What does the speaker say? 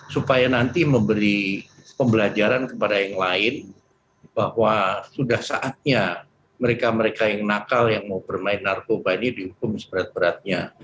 supaya nanti memberi pembelajaran kepada yang lain bahwa sudah saatnya mereka mereka yang nakal yang mau bermain narkoba ini dihukum seberat beratnya